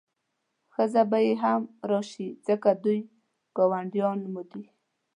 ښځه به یې هم راشي ځکه دوی ګاونډیان مو دي.